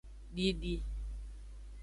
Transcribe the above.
Didi.